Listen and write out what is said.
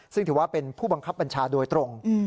ซึ่งถือว่าเป็นผู้บังคับบัญชาโดยตรง